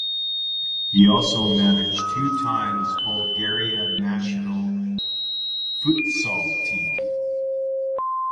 He also managed two times Bulgaria national futsal team.